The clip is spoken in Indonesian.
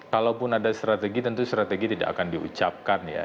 kalaupun ada strategi tentu strategi tidak akan diucapkan ya